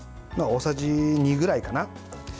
大さじ２ぐらいかな。